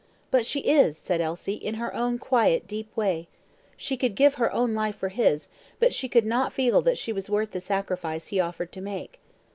"But she is," said Elsie, "in her own quiet, deep way. She could give her own life for his; but she could not feel that she was worth the sacrifice he offered to make."